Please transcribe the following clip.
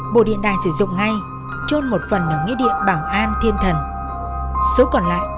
bộ điện đài sử dụng ngay trôn một phần ở nghĩa địa bảo an thiên thần số còn lại trôn ở bốn nơi nhà thờ cấm